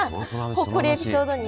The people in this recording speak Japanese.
「ほっこりエピソード」に？